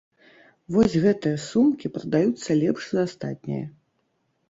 Вось гэтыя сумкі прадаюцца лепш за астатняе.